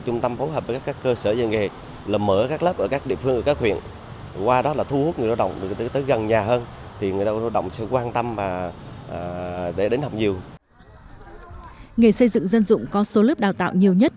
nghề xây dựng dân dụng có số lớp đào tạo nhiều nhất